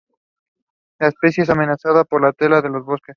La especie está amenazada por la tala de los bosques.